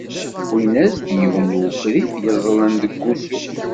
Wwin-as-d yiwen n wukrif yeẓẓlen deg wusu.